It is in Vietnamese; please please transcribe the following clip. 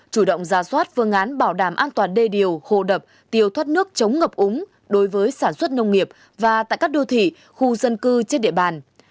chủ động ra soát phương án bảo đảm an toàn đê điều hồ đập tiêu thoát nước chống ngập úng đối với sản xuất nông nghiệp và tại các đô thị khu dân cư trên địa bàn